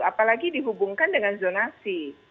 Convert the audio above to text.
apalagi dihubungkan dengan zonasi